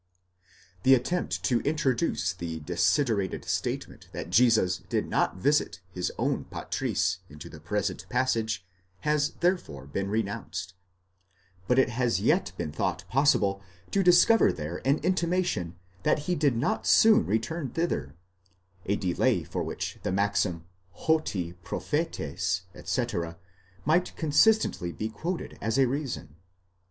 The attempt to introduce the desiderated statement that Jesus did not visit his own πατρίς into the present passage has been therefore renounced: but it has yet been thought possible to discover there an intimation that he did not soon return thither ; a delay for which the maxim, ὅτε προφήτης x. τ. X. might consistently be quoted as a reason."